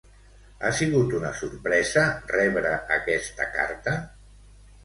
Ha sigut una sorpresa rebre aquesta carta?